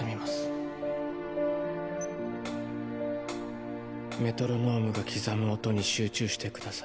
ピッカンカンカンメトロノームが刻む音に集中してください